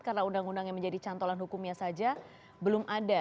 karena undang undang yang menjadi cantolan hukumnya saja belum ada